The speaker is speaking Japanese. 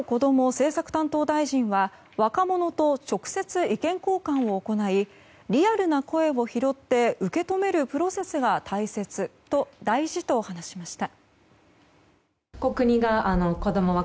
政策担当大臣は若者と直接、意見交換を行いリアルな声を拾って受け止めるプロセスが大事と話しました。